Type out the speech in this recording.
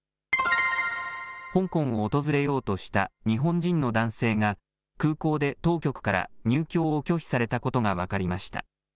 香港を訪れようとした日本人の男性が空港で当局から入境を拒否されたことが分かりました。